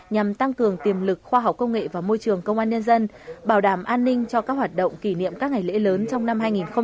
nhằm tăng cường tiềm lực khoa học công nghệ và môi trường công an nhân dân bảo đảm an ninh cho các hoạt động kỷ niệm các ngày lễ lớn trong năm hai nghìn hai mươi